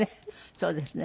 そうですね。